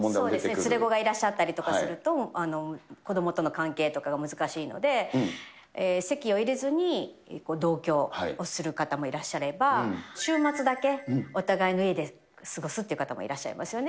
連れ子がいらっしゃったりすると、子どもとの関係とかが難しいので、籍を入れずに同居をする方もいらっしゃれば、週末だけお互いの家で過ごすっていう方もいらっしゃいますよね。